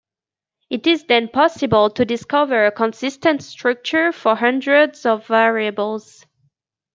It is then possible to discover a consistent structure for hundreds of variables.